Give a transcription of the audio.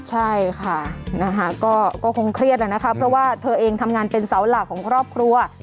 ใช่ค่ะก็คงเครียดนะคะเพราะว่าเธอเองทำงานเป็นเสาหลักของครอบครัว